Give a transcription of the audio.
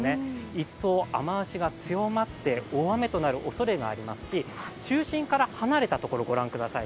一層雨足が強まって大雨となるおそれがありますし中心から離れたところをご覧ください。